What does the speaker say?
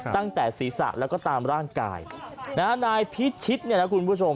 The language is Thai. ตั้งแต่ศีรษะแล้วก็ตามร่างกายนะฮะนายพิชิตเนี่ยนะคุณผู้ชม